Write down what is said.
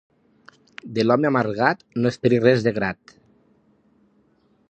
De l'home amargat no esperis res de grat.